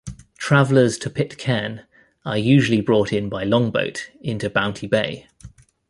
Travellers to Pitcairn are usually brought in by longboat into Bounty Bay.